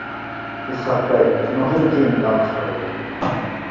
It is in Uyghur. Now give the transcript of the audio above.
ئىسھاق بەگ شۇنىڭدىن كېيىن نام چىقىرىدۇ.